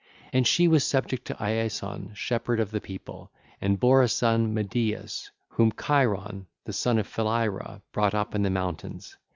And she was subject to Iason, shepherd of the people, and bare a son Medeus whom Cheiron the son of Philyra brought up in the mountains.